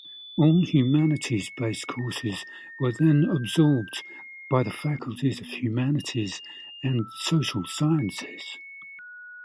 All humanities-based courses were then absorbed by the Faculty of Humanities and Social Sciences.